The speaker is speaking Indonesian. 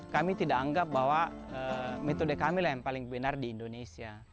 kami tidak anggap bahwa metode kami lah yang paling benar di indonesia